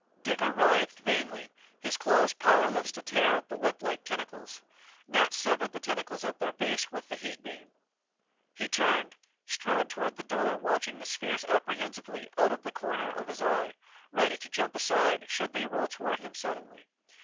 Digger writhed vainly, his claws powerless to tear at the whip like tentacles. Nat severed the tentacles at their base with the heat beam. He turned, strode toward the door watching the spheres apprehensively out of the corner of his eye, ready to jump aside should they roll toward him suddenly.